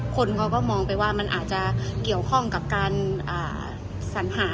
คนเขาก็มองไปว่ามันอาจจะเกี่ยวข้องกับการสัญหา